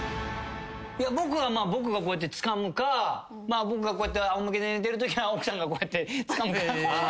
僕はまあ僕がこうやってつかむか僕がこうやってあお向けで寝てるときは奥さんがこうやってつかむか。